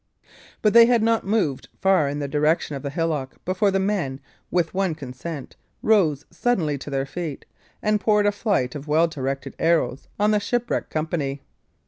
But they had not moved far in the direction of the hillock, before the men, with one consent, rose suddenly to their feet, and poured a flight of well directed arrows on the shipwrecked company.